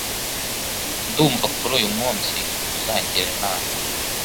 Ndumva ko uyu munsi uzagira inama.